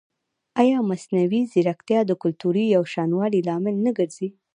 ایا مصنوعي ځیرکتیا د کلتوري یوشان والي لامل نه ګرځي؟